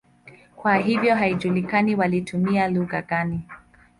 Kwa hiyo haijulikani walitumia lugha gani.